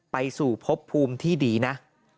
ไปสู่พบภูมิที่ดีนะ